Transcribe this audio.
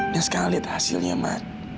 yang sekali lihat hasilnya ma